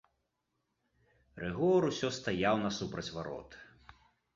Рыгор усё стаяў насупраць варот.